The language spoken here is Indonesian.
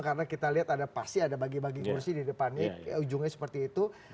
karena kita lihat ada pasti ada bagi bagi kursi di depannya ujungnya seperti itu